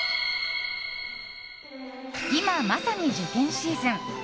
今、まさに受験シーズン。